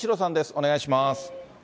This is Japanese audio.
お願いします。